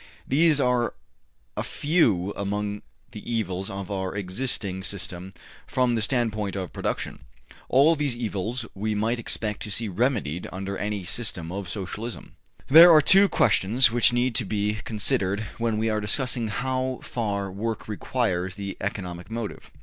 These are a few among the evils of our existing system from the standpoint of production. All these evils we might expect to see remedied under any system of Socialism. There are two questions which need to be considered when we are discussing how far work requires the economic motive.